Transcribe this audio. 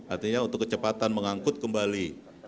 artinya untuk kecepatan mengangkut kembali